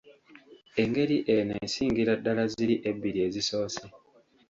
Engeri eno esingira ddala ziri ebbiri ezisoose.